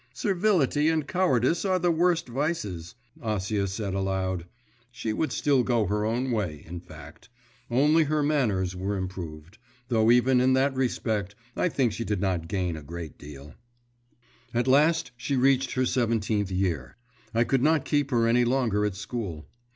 'Servility and cowardice are the worst vices,' Acia said aloud. She would still go her own way, in fact; only her manners were improved, though even in that respect I think she did not gain a great deal. 'At last she reached her seventeenth year. I could not keep her any longer at school.